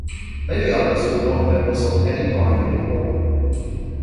Many others were not members of any party any more.